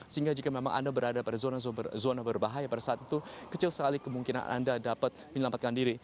sehingga jika memang anda berada pada zona berbahaya pada saat itu kecil sekali kemungkinan anda dapat menyelamatkan diri